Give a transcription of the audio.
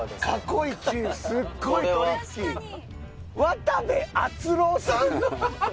すっごいトリッキー確かに渡部篤郎さん？